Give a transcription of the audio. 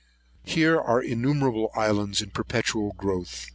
[126 1] Here are innumerable islands in perpetual growth.